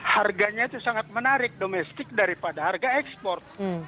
harganya itu sangat menarik domestik daripada harga ekspor